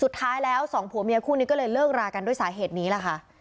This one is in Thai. สุดท้ายแล้วสองผัวเมียคู่นี้ก็เลยเลิกรากันด้วยสาเหตุนี้ล่ะค่ะ